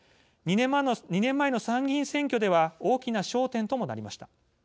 ２年前の参議院選挙では大きな焦点ともなりました。